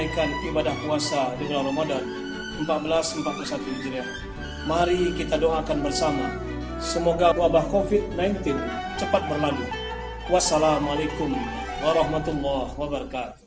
jangan lupa like share dan subscribe